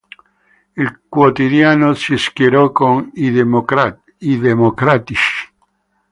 Il quotidiano si schierò con i democratici.